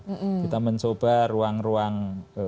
kita mencoba ruang ruang